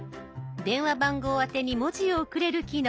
電話番号あてに文字を送れる機能。